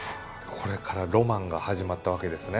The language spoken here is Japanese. これからロマンが始まったわけですね。